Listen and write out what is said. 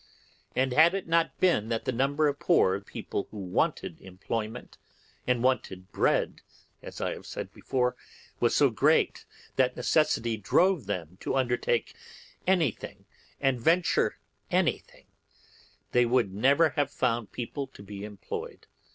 And had it not been that the number of poor people who wanted employment and wanted bread (as I have said before) was so great that necessity drove them to undertake anything and venture anything, they would never have found people to be employed.